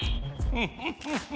フフフフ！